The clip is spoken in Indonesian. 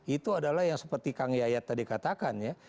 itu adalah yang seperti kang yayat tadi katakan ya